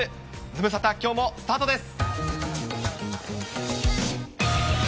ズムサタ、きょうもスタートです。